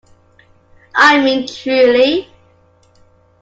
I mean truly.